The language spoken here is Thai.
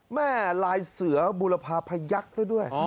แม่ลายเสือบุรพาพยักษ์ซะด้วย